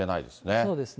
そうですね。